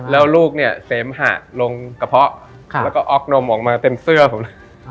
แล้วลูกเนี่ยเสมหะลงกระเพาะแล้วก็ออกนมออกมาเต็มเสื้อผมเลย